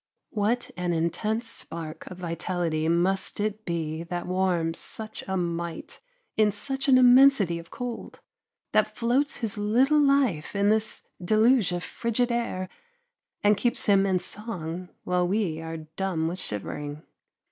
What an intense spark of vitality must it be that warms such a mite in such an immensity of cold; that floats his little life in this deluge of frigid air, and keeps him in song while we are dumb with shivering!